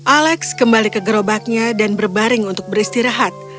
alex kembali ke gerobaknya dan berbaring untuk beristirahat